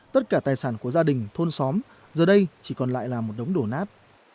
tất cả tài sản của gia đình thôn xóm giờ đây chỉ còn lại là một đống đổ nát